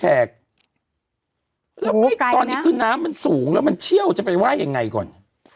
แล้วตอนนี้คือน้ำมันสูงแล้วมันเชี่ยวจะไปว่ายังไงก่อน